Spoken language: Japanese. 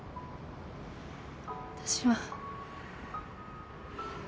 私は